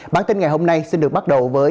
bản tin ngày hôm nay xin được bắt đầu với